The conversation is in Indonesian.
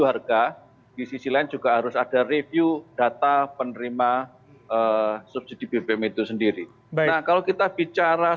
harga di sisi lain juga harus ada review data penerima subsidi bbm itu sendiri nah kalau kita bicara